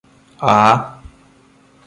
ആ